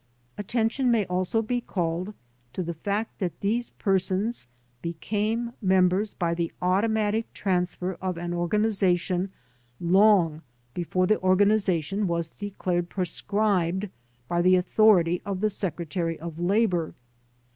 Attention may also be called to the fact that these persons became members by the automatic transfer of an organization long before the organization was de clared proscribed by the authority of the Secretary of Labor.